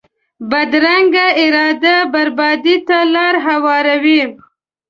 بدرنګه اراده بربادي ته لار هواروي